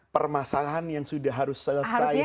permasalahan yang sudah harus selesai hari ini